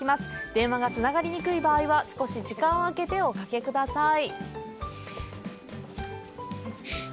電話がつながりにくい場合は少し時間を空けておかけください。